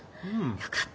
よかった。